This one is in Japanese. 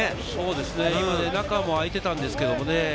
今、中も開いてたんですけどね。